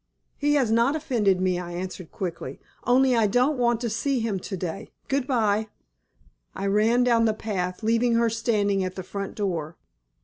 "He has not offended me," I answered, quickly. "Only I don't want to see him to day. Goodbye." I ran down the path, leaving her standing at the front door.